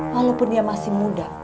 walaupun dia masih muda